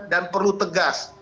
dan perlu tegas